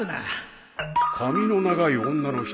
髪の長い女の人だって。